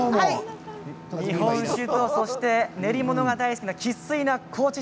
日本酒とそして練り物が大好きな生っ粋の高知人。